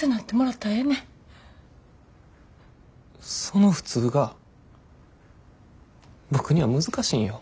その普通が僕には難しいんよ。